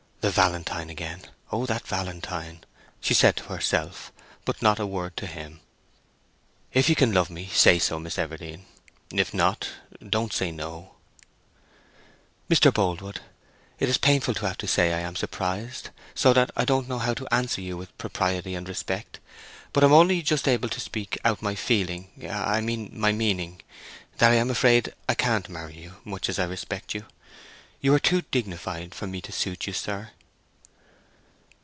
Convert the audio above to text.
"The valentine again! O that valentine!" she said to herself, but not a word to him. "If you can love me say so, Miss Everdene. If not—don't say no!" "Mr. Boldwood, it is painful to have to say I am surprised, so that I don't know how to answer you with propriety and respect—but am only just able to speak out my feeling—I mean my meaning; that I am afraid I can't marry you, much as I respect you. You are too dignified for me to suit you, sir."